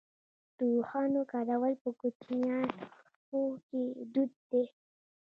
د اوښانو کارول په کوچیانو کې دود دی.